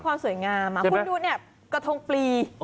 คุณดูเนี่ยกระทงปลี